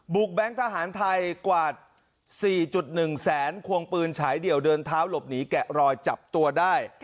แก๊งทหารไทยกว่า๔๑แสนควงปืนฉายเดี่ยวเดินเท้าหลบหนีแกะรอยจับตัวได้